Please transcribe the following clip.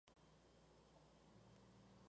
La batalla comenzó al mediodía.